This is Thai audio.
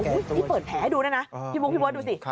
โอ้โหที่เปิดแผลให้ดูน่ะนะพี่มุมพี่บ๊อตดูสิ